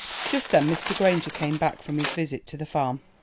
Just then Mr. Granger came back from his visit to the farm.